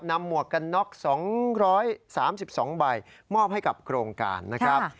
หมวกกันน็อก๒๓๒ใบมอบให้กับโครงการนะครับ